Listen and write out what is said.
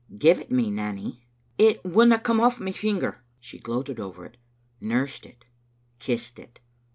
" Give it me, Nanny. "" It winna come off my finger." She gloated over it, nursed it, kissed it.